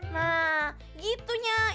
nah gitu nyak